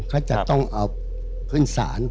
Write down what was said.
เขาจะต้องเอาขึ้นศาล